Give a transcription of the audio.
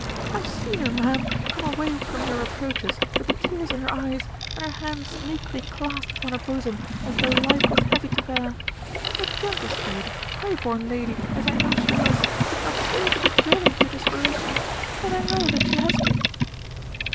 I have seen her, ma'am, come away from your reproaches with the tears in her eyes, and her hands meekly clasped upon her bosom, as though life was heavy to bear. A gentle spirited, high born lady, as I know she was, could not fail to be driven to desperation; and I know that she has been."